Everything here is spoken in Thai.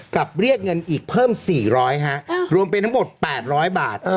เรียกเงินอีกเพิ่ม๔๐๐ฮะรวมเป็นทั้งหมด๘๐๐บาท